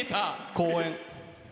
公園。